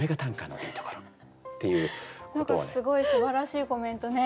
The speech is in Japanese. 何かすごいすばらしいコメントね頂けて。